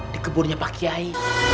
di kebunnya pak kiai